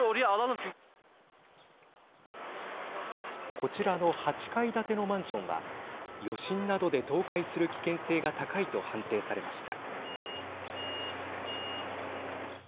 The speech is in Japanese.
こちらの８階建てのマンションは余震などで倒壊する危険性が高いと判定されました。